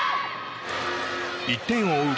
１点を追う